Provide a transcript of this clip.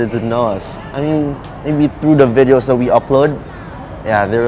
เรามีคนที่ตัดสร้างวิดีโอใหม่